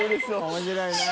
面白いね。